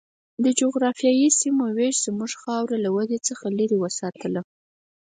د جغرافیایي سیمو وېش زموږ خاوره له ودې څخه لرې وساتله.